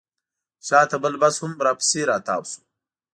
شاته بل بس هم راپسې راتاو شو.